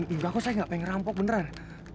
enggak kok saya gak pengen ngerampok beneran